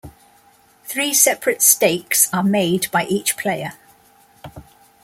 Three separate stakes are made by each player.